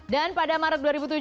dan pada maret dua ribu tujuh belas